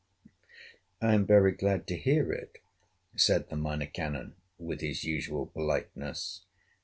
"I am very glad to hear it," said the Minor Canon, with his usual politeness.